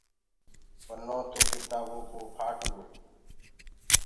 پنو تو ڪِتآبو ڪو ڦآٽ گو۔